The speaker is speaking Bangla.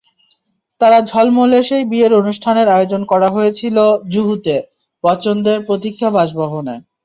তারা ঝলমলে সেই বিয়ের অনুষ্ঠানের আয়োজন করা হয়েছিল জুহুতে, বচ্চনদের প্রতীক্ষা বাসভবনে।